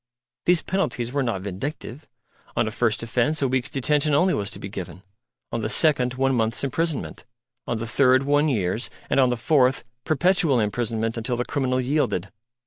These penalties were not vindictive: on a first offence a week's detention only was to be given; on the second, one month's imprisonment; on the third, one year's; and on the fourth, perpetual imprisonment until the criminal yielded.